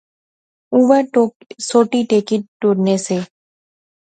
اوہ سوٹی ٹیکی ٹُرنے سے